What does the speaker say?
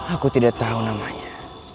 aku tidak tahu namanya